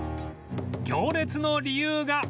行列の理由が